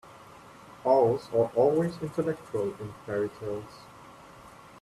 Owls are always intellectual in fairy-tales.